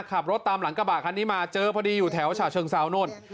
ขับรถตามหลังกระบะคันนี้มาเจอพอดีอยู่แถวฉะเชิงเซานู่น